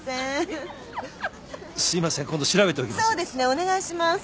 お願いします。